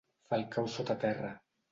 Fa el cau sota terra.